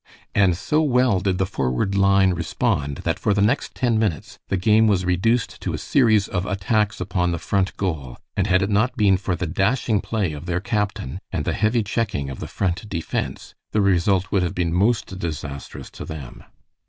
And so well did the forward line respond that for the next ten minutes the game was reduced to a series of attacks upon the Front goal, and had it not been for the dashing play of their captain and the heavy checking of the Front defense, the result would have been most disastrous to them.